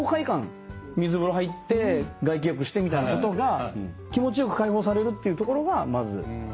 水風呂入って外気浴してみたいなことが気持ち良く開放されるっていうところがまず。